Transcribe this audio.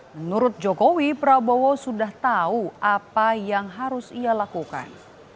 menurut jokowi prabowo sudah tahu apa yang harus ia lakukan